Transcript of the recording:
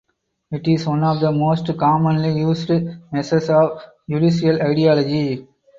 It is one of the most commonly used measures of judicial ideology.